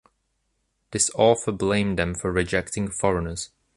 This author blame them for rejecting foreigners.